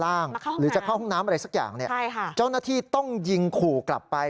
มาเข้าห้องน้ำใช่ค่ะหรือจะเข้าห้องน้ำอะไรสักอย่างนี่เจ้าหน้าที่ต้องยิงขู่กลับไป